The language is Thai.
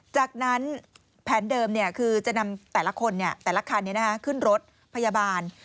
จากนั้นแผนเดิมคือจะนำแต่ละคนแต่ละคันขึ้นรถพยาบาล